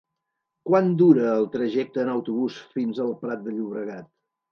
Quant dura el trajecte en autobús fins al Prat de Llobregat?